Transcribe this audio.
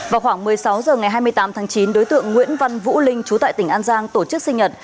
vào khoảng một mươi sáu h ngày hai mươi tám tháng chín đối tượng nguyễn văn vũ linh chú tại tỉnh an giang tổ chức sinh nhật